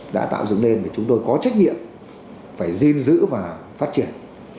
đã tạo dựng nên chúng tôi có trách nhiệm phải gìn giữ và phát triển